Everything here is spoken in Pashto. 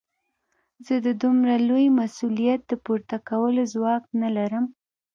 زه د دومره لوی مسوليت د پورته کولو ځواک نه لرم.